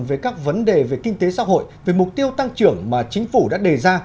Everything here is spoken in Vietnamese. về các vấn đề về kinh tế xã hội về mục tiêu tăng trưởng mà chính phủ đã đề ra